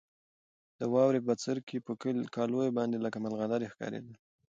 د واورې بڅرکي په کالیو باندې لکه ملغلرې ښکارېدل.